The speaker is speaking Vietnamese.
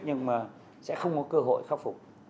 nhưng mà sẽ không có cơ hội khắc phục